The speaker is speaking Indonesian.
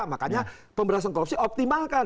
makanya pemberantasan korupsi optimalkan